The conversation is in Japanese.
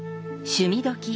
「趣味どきっ！」